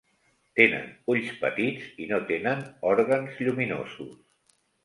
Tenen ulls petits i no tenen òrgans lluminosos.